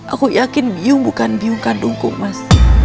aku yakin biung bukan biung kandungku mas